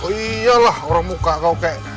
oh iyalah orang muka kau kayak